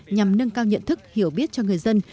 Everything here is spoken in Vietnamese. nhằm nâng cao nhận thức hiểu biết cho người dân